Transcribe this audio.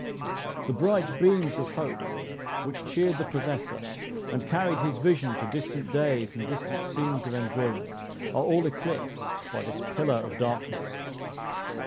The bright beams of hope, which cheered the possessor, and carried his vision to distant days and distant scenes of enjoyment, are all eclipsed by this pillar of darkness.